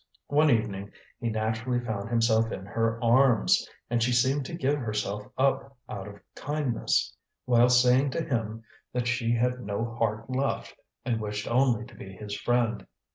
One evening he naturally found himself in her arms, and she seemed to give herself up out of kindness, while saying to him that she had no heart left, and wished only to be his friend.